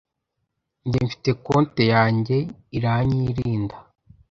njye mfite konte yanjye iranyirinda